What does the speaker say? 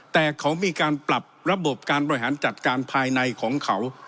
แต่เขามีการปรับระบบการบริหารจัดการภายในของเขา